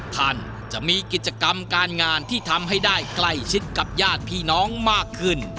ท่านจะมีกิจกรรมการงานที่ทำให้ได้ใกล้ชิดกับญาติพี่น้องมากขึ้น